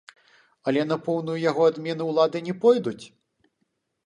Але на поўную яго адмену ўлады не пойдуць?